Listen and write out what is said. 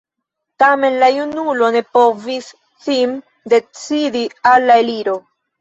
Tamen la junulo ne povis sin decidi al la eliro.